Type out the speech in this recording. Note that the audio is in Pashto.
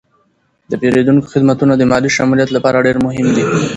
د پیرودونکو خدمتونه د مالي شمولیت لپاره ډیر مهم دي.